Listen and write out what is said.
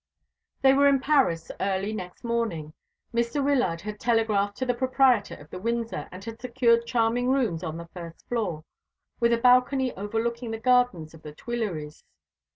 They were in Paris early next morning. Mr. Wyllard had telegraphed to the proprietor of the Windsor, and had secured charming rooms on the first floor, with a balcony overlooking the gardens of the Tuileries.